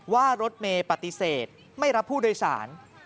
ว่ารถเมย์ปฏิเสธไม่รับผู้โดยสาร